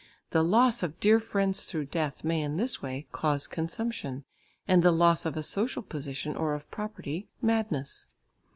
The loss of dear friends through death, may in this way cause consumption, and the loss of a social position or of property, madness.